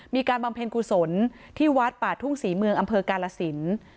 บำเพ็ญกุศลที่วัดป่าทุ่งศรีเมืองอำเภอกาลสิน